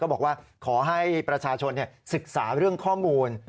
บอกว่าขอให้ประชาชนศึกษาเรื่องข้อมูล